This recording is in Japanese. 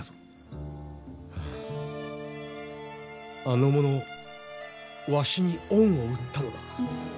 あの者わしに恩を売ったのだ。